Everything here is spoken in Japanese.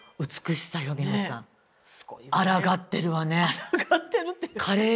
あらがってるって。